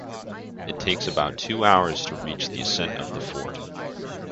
It takes about two hours to reach the ascent of the fort.